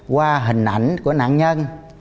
qua hình ảnh của nạn nhân